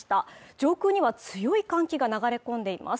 上空には強い寒気が流れ込んでいます